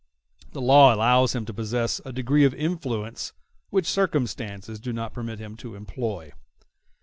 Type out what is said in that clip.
The laws allow him to possess a degree of influence which circumstances do not permit him to employ.